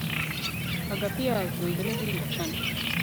ubanze ubaririze neza